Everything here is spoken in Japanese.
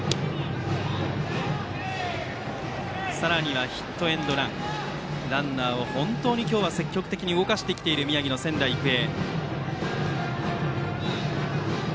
さらにはヒットエンドランとランナーを本当に今日は積極的に動かしてきている宮城の仙台育英。